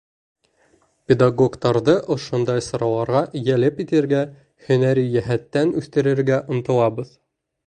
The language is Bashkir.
Педагогтарҙы ошондай сараларға йәлеп итергә, һөнәри йәһәттән үҫтерергә ынтылабыҙ.